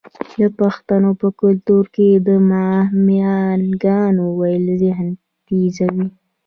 د پښتنو په کلتور کې د معما ګانو ویل ذهن تیزوي.